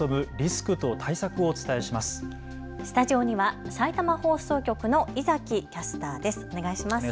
スタジオにはさいたま放送局の猪崎キャスターです。